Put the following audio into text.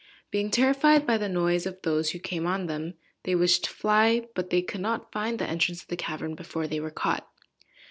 Being terrified by the noise of those who came on them, they wished to fly, but they could not find the entrance of the cavern before they were caught."